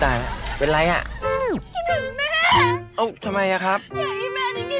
ร้านเวลามันอยู่ข้ามคลองเลยนี่